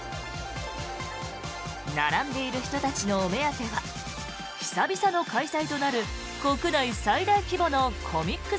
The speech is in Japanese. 並んでいる人たちのお目当ては久々の開催となる国内最大規模のコミック